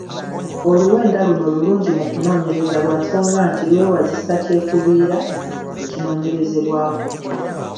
Oluwenda luno lulungi mu kunoonyereza lwa nsonga nti lwewazisa kyekubiira mu kinoonyerezebwako.